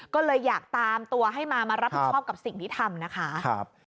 ก็เลยอยากตามตัวให้มามารับผิดชอบกับสิ่งที่ทำนะคะ